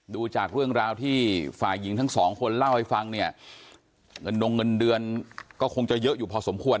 ดูจากเรื่องราวที่ฝ่ายหญิงทั้งสองคนเล่าให้ฟังเนี่ยเงินดงเงินเดือนก็คงจะเยอะอยู่พอสมควร